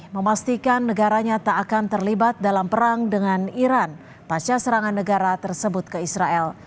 memastikan negaranya tak akan terlibat dalam perang dengan iran pasca serangan negara tersebut ke israel